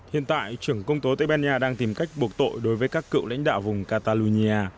hiện tại trưởng công tố tây ban nha đang tìm cách buộc tội đối với các cựu lãnh đạo vùng catalonia